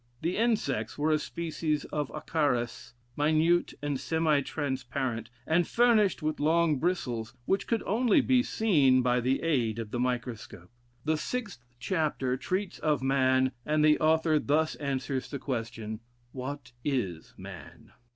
The insects were a species of acarus, minute and semi transparent, and furnished with long bristles, which could only be seen by the aid of the microscope. The sixth chapter treats of man, and the author thus answers the question, "What is man?"